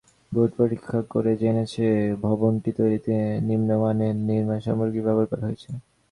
বুয়েট পরীক্ষা করে জেনেছে, ভবনটি তৈরিতে নিম্নমানের নির্মাণসামগ্রী ব্যবহার করা হয়েছে।